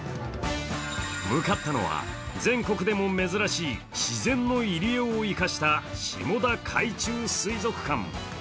向かったのは全国でも珍しい、自然の入り江を生かした下田海中水族館。